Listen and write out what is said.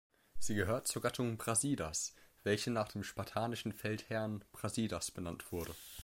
Sie gehört zur Gattung "Brasidas", welche nach dem spartanischen Feldherrn Brasidas benannt wurde.